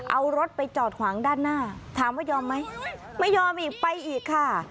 เอารถไปจอดขวางด้านหน้าถามว่ายอมไหมไม่ยอมอีกไปอีกค่ะ